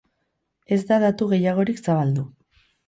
Ez da datu gehiagorik zabaldu.